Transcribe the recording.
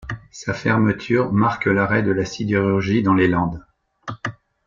Sa fermeture manque l'arrêt de la sidérurgie dans les Landes.